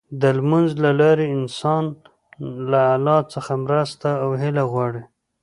د لمونځ له لارې انسان له الله څخه مرسته او هيله غواړي.